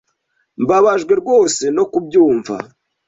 Mbabajwe rwose no kubyumva.